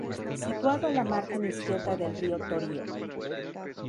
Situado a la margen izquierda del Río Torío.